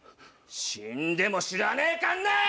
死んでも知らねえかんな！